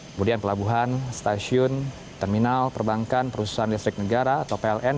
kemudian pelabuhan stasiun terminal perbankan perusahaan listrik negara atau pln